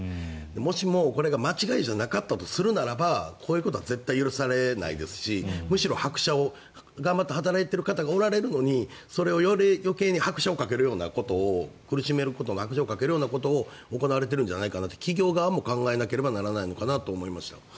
もしも、これが間違いじゃなかったとするならばこういうことは絶対許されないですしむしろ頑張って働いている方がおられるのにそれを余計に拍車をかけるようなことを苦しめるようなことが行われているんじゃないかなと企業側も考えないければいけないのかなと思いました。